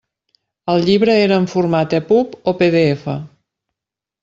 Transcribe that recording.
El llibre era en format EPUB o PDF?